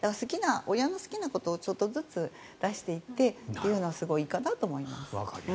親の好きなことをちょっとずつ出していってというのがすごくいいかなと思います。